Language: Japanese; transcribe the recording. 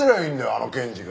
あの検事が。